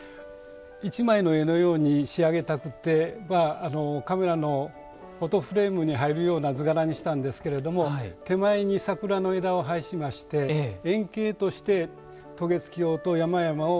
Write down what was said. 一枚の絵のように仕上げたくてカメラのフォトフレームに入るような図柄にしたんですけれども手前に桜の枝を配しまして遠景として渡月橋と山々を配しました。